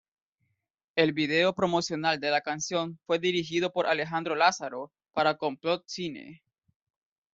El vídeo promocional de la canción fue dirigido por Alejandro Lázaro para Complot Cine.